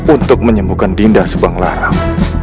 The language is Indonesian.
untuk menyembuhkan dinda subanglarang